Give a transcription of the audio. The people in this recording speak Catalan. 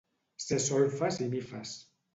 Ser solfes i mifes.